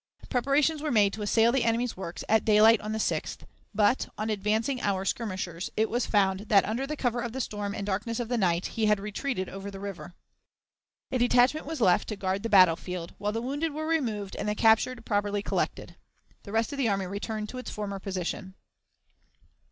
Preparations were made to assail the enemy's works at daylight on the 6th, but, on advancing our skirmishers, it was found that, under cover of the storm and darkness of the night, he had retreated over the river. A detachment was left to guard the battle field, while the wounded were removed and the captured property collected. The rest of the army returned to its former position.